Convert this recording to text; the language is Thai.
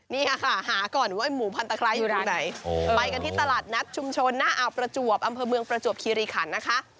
นี่ค่ะหาก่อนว่าหมูพันตะไคร้อยู่ตรงไหนไปกันที่ตลาดนัดชุมชนหน้าอ่าวประจวบอำเภอเมืองประจวบคีรีขันนะคะ